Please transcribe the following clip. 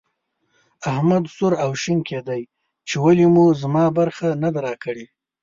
احمد سور او شين کېدی چې ولې مو زما برخه نه ده راکړې.